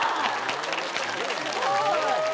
すごい！